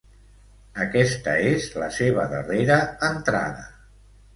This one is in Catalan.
Aquesta és la seva darrera entrada.